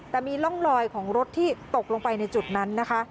แต่มีร่องลอยของรถที่ตกลงไปในจุดนั้นนะคะ